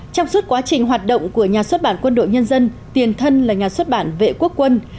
trong suốt quá trình hoạt động của nhà xuất bản quân đội nhân dân tiền thân là nhà xuất bản vệ quốc quân